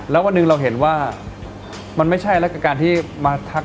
แล้ววันหนึ่งเราเห็นว่ามันไม่ใช่แล้วกับการที่มาทัก